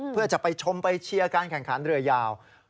เพื่อจะไปชมไปเชียร์การแข่งขันเรือยาว